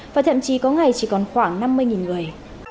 và thậm chí có ngày chỉ còn khoảng năm mươi người